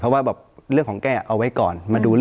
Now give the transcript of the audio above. เพราะว่าแบบเรื่องของแก้เอาไว้ก่อนมาดู